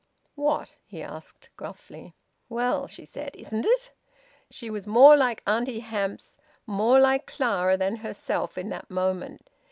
"What?" he asked gruffly. "Well," she said, "isn't it?" She was more like Auntie Hamps, more like Clara, than herself in that moment.